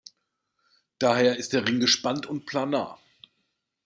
Daher ist der Ring gespannt und planar.